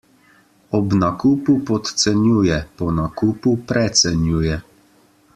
Ob nakupu podcenjuje, po nakupu precenjuje.